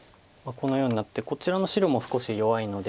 このようになってこちらの白も少し弱いので。